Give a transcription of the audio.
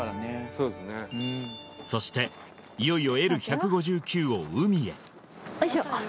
そしていよいよＬ−１５９を海へよいしょ